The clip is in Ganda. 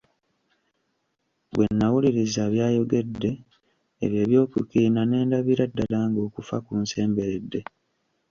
Bwe nawuliriza by'ayogedde ebyo eby'okukiina ne ndabira ddala ng'okufa kunsemberedde.